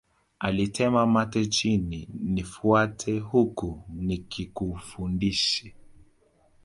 Alitema mate chini nifuate huku nikakufundishe